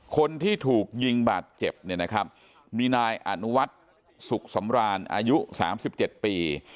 คนที่ถูกยิงบาดเจ็บเนี่ยนะครับมีนายอนุวัฒน์สุขสำราญอายุ๓๗ปี